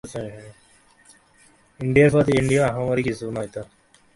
মানুষ কখনো বিড়ালের বাচ্চার গায়ে হাত তোলে না।